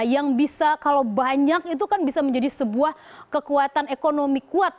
yang bisa kalau banyak itu kan bisa menjadi sebuah kekuatan ekonomi kuat